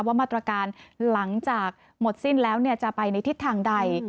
ว่ามาตรการหลังจากหมดสิ้นแล้วจะไปในทิศทางใด